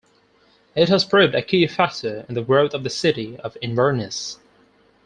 It has proved a key factor in the growth of the city of Inverness.